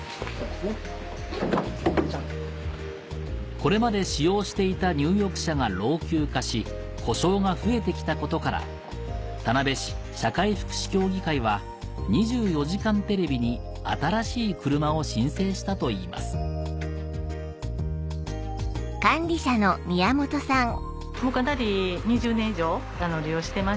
これまで使用していた入浴車が老朽化し故障が増えてきたことから田辺市社会福祉協議会は『２４時間テレビ』に新しい車を申請したといいますありがとうございました。